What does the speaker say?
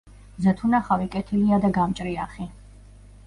მზეთუნახავი კეთილია და გამჭრიახი.